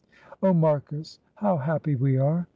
"Oh, Marcus, how happy we are!"